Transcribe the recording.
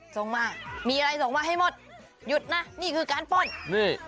ส่งมามีอะไรส่งมาให้หมดหยุดนะนี่คือการป้นนี่